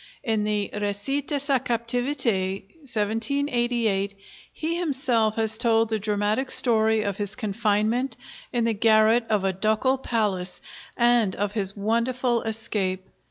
In the 'Récit de sa Captivité' (1788) he himself has told the dramatic story of his confinement in the garret of a ducal palace, and of his wonderful escape.